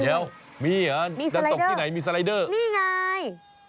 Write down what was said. เดี๋ยวมีเหรอจะตกที่ไหนมีสไลเดอร์นี่ไง